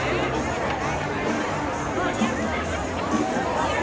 สวัสดีครับ